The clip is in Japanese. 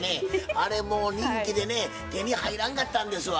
あれもう人気でね手に入らんかったんですわ。